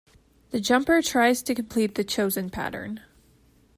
The jumper tries to complete the chosen pattern.